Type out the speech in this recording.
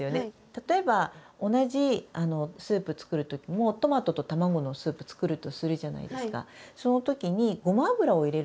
例えば同じスープ作るときもトマトと卵のスープ作るとするじゃないですか。